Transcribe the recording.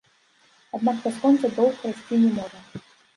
Аднак бясконца доўг расці не можа.